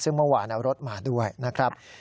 ซึ่งเมื่อวานเอารถมาด้วยนะครับ